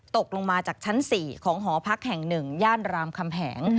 ตกลงมาจากชั้น๔ของหอพักแห่ง๑ย่านรามคำแหง